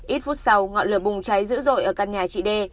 ít phút sau ngọn lửa bùng cháy dữ dội ở căn nhà chị đê